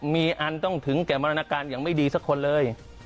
มีอันต้องถึงแก่มรณการอย่างไม่ดีสักคนเลย